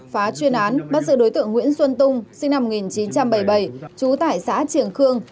phá chuyên án bắt giữ đối tượng nguyễn xuân tung sinh năm một nghìn chín trăm bảy mươi bảy chú tải xã triều khương